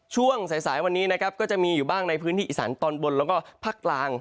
ช่วงสายสายวันนี้นะครับก็จะมีอยู่บ้างในพื้นที่อีสานตอนบนแล้วก็ภาคกลาง